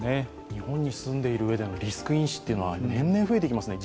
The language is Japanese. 日本に住んでいるうえでのリスク因子は年々増えてきますね。